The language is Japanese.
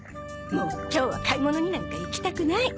もう今日は買い物になんか行きたくない。